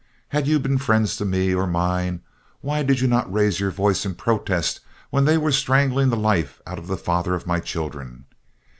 Had you been friends to me or mine, why did you not raise your voice in protest when they were strangling the life out of the father of my children?